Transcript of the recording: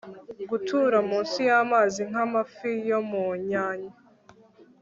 gutura munsi y'amazi nka mafi yomunyanya